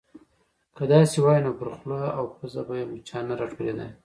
_که داسې وای، نو پر خوله او پزه به يې مچان نه راټولېدای.